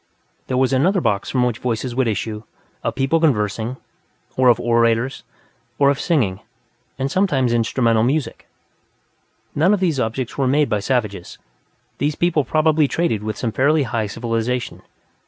There was another box from which voices would issue, of people conversing, or of orators, or of singing, and sometimes instrumental music. None of these were objects made by savages; these people probably traded with some fairly high civilization.